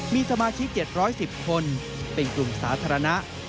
มีสมาชิก๗๑๐คนเป็นกลุ่มสาธารณะ